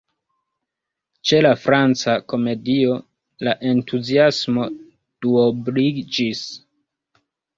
Ĉe la Franca Komedio, la entuziasmo duobliĝis.